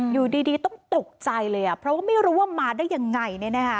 อยู่ดีต้องตกใจเลยเพราะว่าไม่รู้ว่ามาได้ยังไง